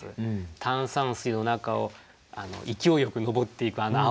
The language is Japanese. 炭酸水の中を勢いよく上っていくあの泡。